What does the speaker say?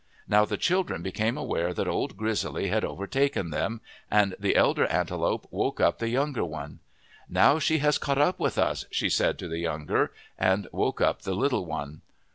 Now the children became aware that Old Grizzly had over taken them ; and the elder antelope woke up the younger one. " Now she has caught up with us," she said to the younger, and woke up the little one.